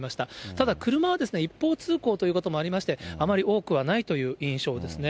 ただ、車は一方通行ということもありまして、あまり多くはないという印象ですね。